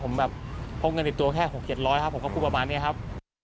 ผมแบบพกเงินติดตัวแค่๖๗๐๐ครับผมก็พูดประมาณนี้ครับ